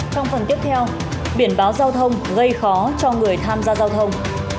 trong phần tiếp theo biển báo giao thông gây khó cho người tham gia giao thông